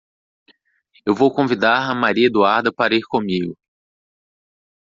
Eu vou convindar a Maria Eduarda para ir comigo.